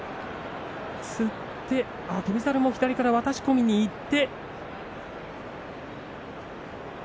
つって翔猿も下から渡し込みにいって。